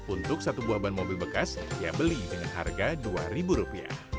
untuk satu buah ban mobil bekas ia beli dengan harga rp dua